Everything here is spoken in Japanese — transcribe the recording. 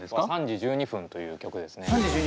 「３時１２分」という曲ですね。